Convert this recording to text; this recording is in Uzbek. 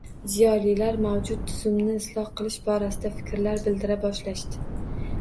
Ziyolilar mavjud tuzumni isloh qilish borasida fikrlar bildira boshlashdi.